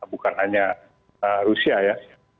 bukan hanya rusia ya